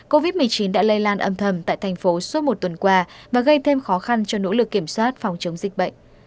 covid một mươi chín đã lây lan âm thầm tại thành phố suốt một tuần qua và gây thêm khó khăn cho nỗ lực kiểm soát phòng chống dịch bệnh